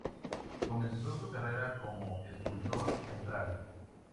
Comenzó su carrera como escultor en Praga.